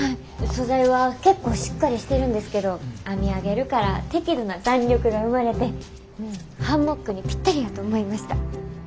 素材は結構しっかりしてるんですけど編み上げるから適度な弾力が生まれてハンモックにぴったりやと思いました。